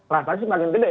rasanya semakin gede